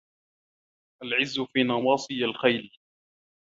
العز في نواصي الخيل